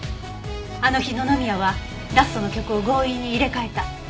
あの日野々宮はラストの曲を強引に入れ替えた。